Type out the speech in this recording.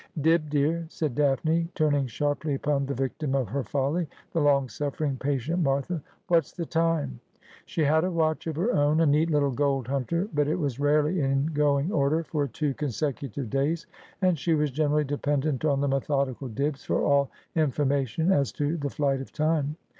' Dibb, dear,' said Daphne, turning sharply upon the victim of her folly, the long sufEering, patient Martha. ' What's the time '?' She had a watch of her own, a neat little gold hunter : but ' And tins was gladly in the Eventide.' 17 it was rarely in going order for two consecutive days, and she was generally dependent on the .methodical Dibb for all infor mation as to the flight of time.